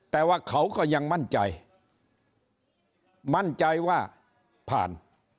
แต่ว่าเขาก็ยังมั่นใจมั่นใจว่าผ่าน